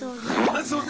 あそうね。